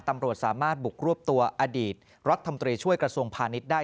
ตำรวจสามารถบุกรวบตัวอดีตรัฐมนตรีช่วยกระทรวงพาณิชย์ได้